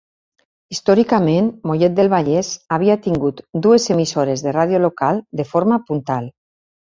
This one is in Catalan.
Històricament, Mollet del Vallès havia tingut dues emissores de ràdio local de forma puntal.